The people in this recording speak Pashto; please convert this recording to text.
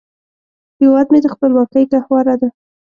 هیواد مې د خپلواکۍ ګهواره ده